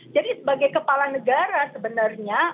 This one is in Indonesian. jadi sebagai kepala negara sebenarnya